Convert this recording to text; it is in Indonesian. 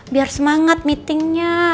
biar semangat meeting nya